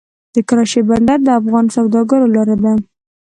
د کراچۍ بندر د افغان سوداګرو لاره ده